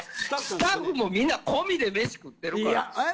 スタッフのみんな込みで飯食ってるから。